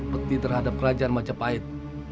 upeti terhadap kerajaan macapait